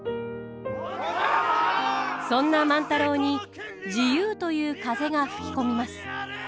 そんな万太郎に自由という風が吹き込みます。